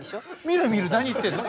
見る見る何言ってんの。